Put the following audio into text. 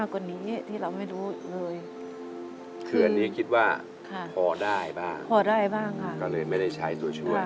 ก็เลยไม่ได้ใช้ตัวช่วย